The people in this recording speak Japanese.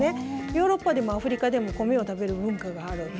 ヨーロッパでもアフリカでもコメを食べる文化がある。